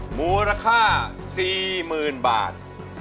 หมูราคา๔๐๐๐๐บาท